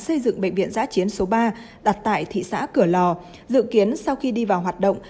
xây dựng bệnh viện giã chiến số ba đặt tại thị xã cửa lò dự kiến sau khi đi vào hoạt động